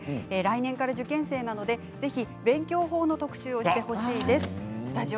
来年から受験生なので、ぜひ勉強法の特集をしてほしいです。